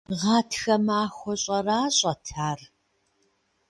Гъатхэ махуэ щӏэращӏэт ар.